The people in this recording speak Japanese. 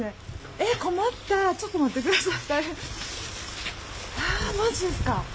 えっ、困った、ちょっと待ってください。